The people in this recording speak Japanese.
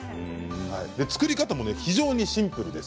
作り方も非常にシンプルです。